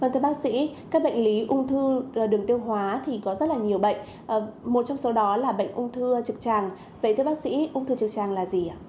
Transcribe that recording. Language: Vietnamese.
thưa bác sĩ các bệnh lý ung thư đường tiêu hóa thì có rất là nhiều bệnh một trong số đó là bệnh ung thư trực tràng vậy thưa bác sĩ ung thư trực tràng là gì ạ